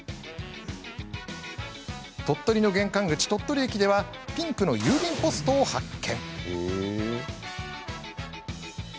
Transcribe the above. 鳥取の玄関口、鳥取駅ではピンクの郵便ポストを発見。